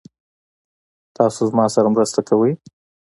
تاسو ما سره مرسته کوئ؟